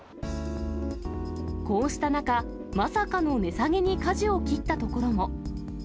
こうした中、まさかの値下げにかじを切ったところも。